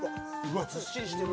わっずっしりしてる